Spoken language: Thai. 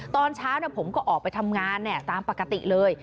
ตอนเช้าผมก็ออกไปทำงานตามปกติเลย